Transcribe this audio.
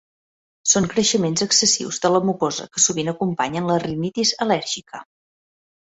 Són creixements excessius de la mucosa que sovint acompanyen la rinitis al·lèrgica.